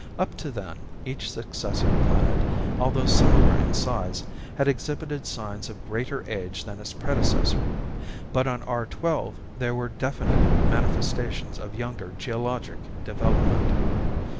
Up to then, each successive planet, although similar in size, had exhibited signs of greater age than its predecessor. But on R 12 there were definite manifestations of younger geologic development.